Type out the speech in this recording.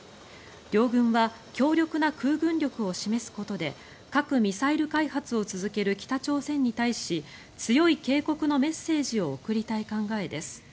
両軍は強力な空軍力を示すことで核・ミサイル開発を続ける北朝鮮に対し強い警告のメッセージを送りたい考えです。